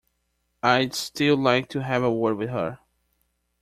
I'd still like to have a word with her.